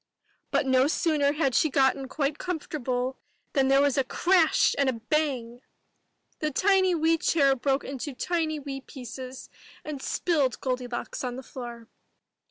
But no sooner had she got quite comfortable than there was a crash and a bang ! The tiny wee chair broke into tiny wee pieces, and spilled Goldi locks on the floor.